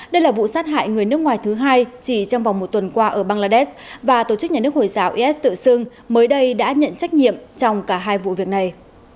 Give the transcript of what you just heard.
đây là vụ sát hại người nước ngoài thứ hai chỉ trong vòng một tuần qua ở bangladesh và tổ chức nhà nước hồi giáo is tự xưng mới đây đã nhận trách nhiệm trong cả hai vụ việc này